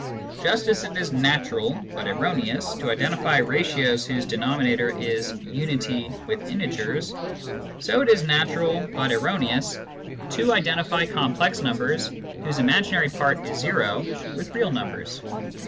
Just as it is natural (but erroneous) to identify ratios whose de nominator is unity with integers, so it is natural (but erroneous) 76 Introduction to Mathematical Philosophy to identify complex numbers whose imaginary part is zero with real numbers.